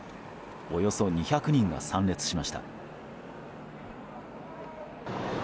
およそ２００人が参列しました。